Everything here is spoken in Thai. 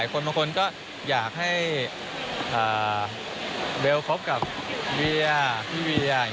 โป๊ปก็อยากจะ